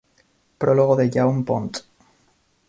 Prólogo de Jaume Pont.